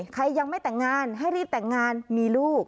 ใครยังไม่แต่งงานให้รีบแต่งงานมีลูก